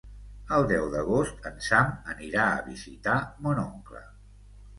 El deu d'agost en Sam anirà a visitar mon oncle.